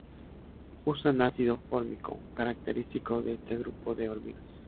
Usan ácido fórmico, característico de este grupo de hormigas.